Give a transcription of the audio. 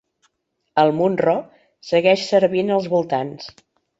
El "Munro" segueix servint als voltants.